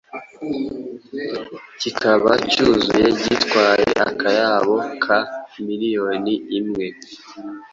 kikaba cyuzuye gitwaye akayabo ka miliyoni imwe